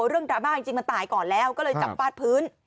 ดราม่าจริงมันตายก่อนแล้วก็เลยจับฟาดพื้น